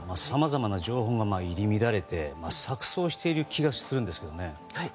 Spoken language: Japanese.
さまざまな情報が入り乱れて錯綜している気がするんですけどね。